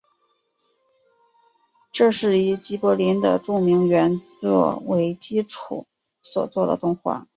这是以吉卜林的著名原作为基础所做的动画。